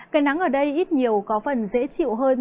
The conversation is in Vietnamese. cảnh nắng ở đây ít nhiều có phần dễ chịu hơn